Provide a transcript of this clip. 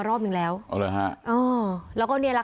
ประตู๓ครับ